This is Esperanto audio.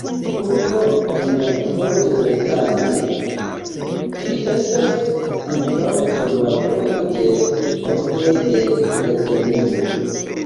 Urbo de Haute-Bretagne, ĝi estas ankaŭ sur la vojo de pordoj de Bretonio.